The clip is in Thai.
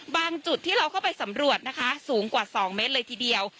จุดที่เราเข้าไปสำรวจนะคะสูงกว่า๒เมตรเลยทีเดียว